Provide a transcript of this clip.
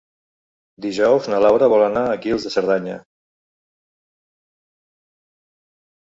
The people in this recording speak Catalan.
Dijous na Laura vol anar a Guils de Cerdanya.